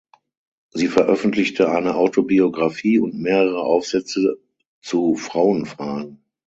Sie veröffentlichte eine Autobiografie und mehrere Aufsätze zu Frauenfragen.